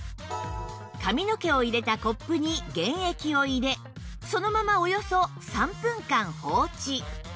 髪の毛を入れたコップに原液を入れそのままおよそ３分間放置